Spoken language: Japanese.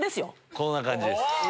こんな感じです。